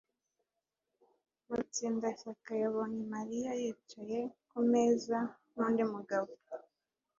Mutsindashyaka yabonye Mariya yicaye kumeza nundi mugabo